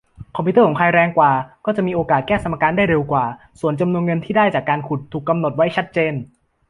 คอมพิวเตอร์ของใครแรงกว่าก็จะมีโอกาสแก้สมการได้เร็วกว่า ส่วนจำนวนเงินที่ได้จากการขุดถูกกำหนดไว้ชัดเจน